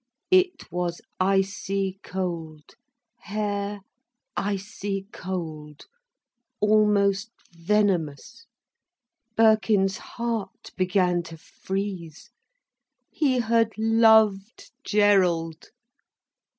It was icy cold, hair icy cold, almost venomous. Birkin's heart began to freeze. He had loved Gerald.